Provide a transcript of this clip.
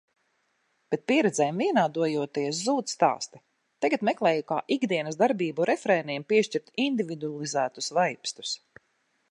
Bet, pieredzēm vienādojoties, zūd stāsti. Tagad meklēju, kā ikdienas darbību refrēniem piešķirt individualizētus vaibstus.